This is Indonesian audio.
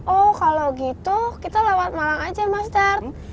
oh kalau gitu kita lewat malang aja mas dart